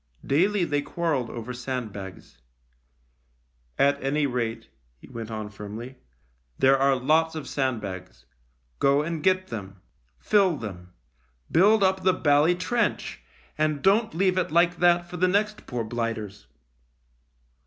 Daily they quarrelled over sandbags. " At any rate," he went on firmly, " there are lots of sandbags. Go and get them. Fill them. Build up the bally trench, and don't leave it like that for the next poor blighters.